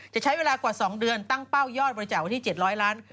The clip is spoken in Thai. จะใช้เวลากว่า๒เดือนตั้งเป้ายอดบริจาควันที่๗๐๐ล้าน